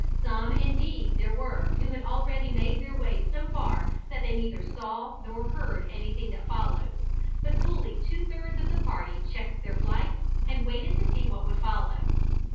Some indeed there were who had already made their way so far that they neither saw nor heard anything that followed, but fully two thirds of the party checked their flight, and waited to see what would follow.